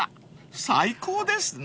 最高ですね］